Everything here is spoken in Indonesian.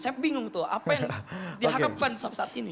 saya bingung tuh apa yang diharapkan sampai saat ini